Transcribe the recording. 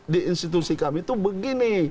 di institusi kami itu begini